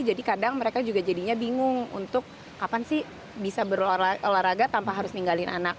jadi kadang mereka juga jadinya bingung untuk kapan sih bisa berolahraga